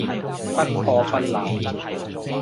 不破不立